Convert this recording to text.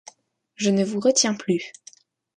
Je ne vous retiens plus.